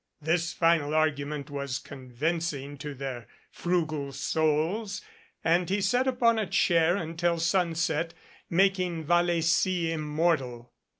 This final argument was convincing to their frugal souls, and he sat upon a chair until sunset making Vallecy immortal.